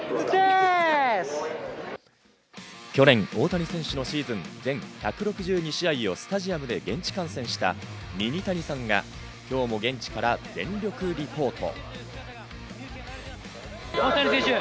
去年、大谷選手のシーズン全１６２試合をスタジアムで現地観戦したミニタニさんが今日も現地から全力リポート。